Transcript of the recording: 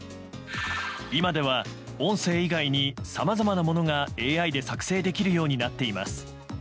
今では音声以外にさまざまなものがＡＩで作成できるようになっています。